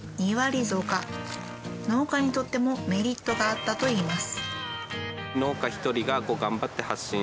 農家にとってもメリットがあったといいます。